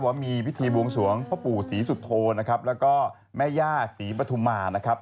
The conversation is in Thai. บอกว่ามีพิธีวงศวงพระปู่ศรีสุธโทและแม่ญ่าศรีปฐุมารนะครับ